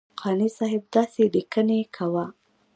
قانع صاحب داسې لیکنې کوه.